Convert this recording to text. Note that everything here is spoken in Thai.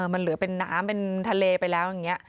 มันเหลือเป็นน้ำเป็นทะเลไปแล้วอย่างนี้